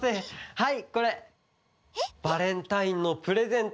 はいこれバレンタインのプレゼント。